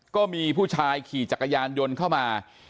ก็มีผู้ชายขี่จักรยานยนต์เข้ามา